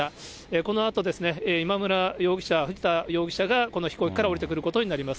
このあと、今村容疑者、藤田容疑者が、この飛行機から降りてくることになります。